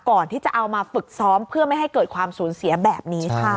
ก่อนที่จะเอามาฝึกซ้อมเพื่อไม่ให้เกิดความสูญเสียแบบนี้ค่ะ